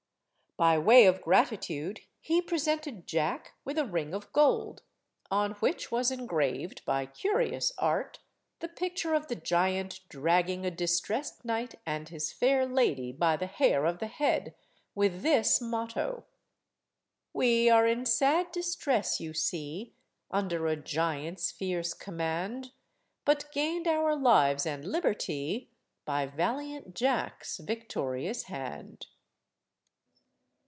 By way of gratitude he presented Jack with a ring of gold, on which was engraved, by curious art, the picture of the giant dragging a distressed knight and his fair lady by the hair of the head, with this motto— "We are in sad distress, you see, Under a giant's fierce command; But gained our lives and liberty By valiant Jack's victorious hand."